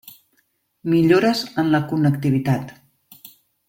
Millores en la connectivitat.